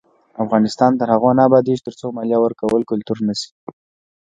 افغانستان تر هغو نه ابادیږي، ترڅو مالیه ورکول کلتور نشي.